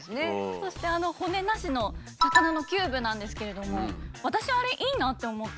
そしてあの骨なしの魚のキューブなんですけれども私あれいいなって思って。